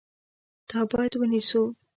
تا باید ونیسو !